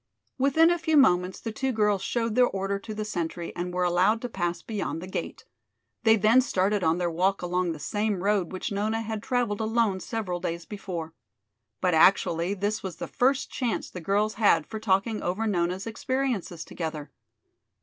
Within a few moments the two girls showed their order to the sentry and were allowed to pass beyond the gate. They then started on their walk along the same road which Nona had traveled alone several days before. But actually this was the first chance the girls had for talking over Nona's experiences together.